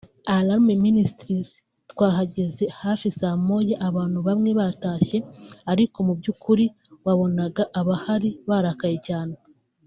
Alarm Ministries twahageze hafi saa moya abantu bamwe batashye ariko muby’ukuri wabonaga abahari barakaye cyane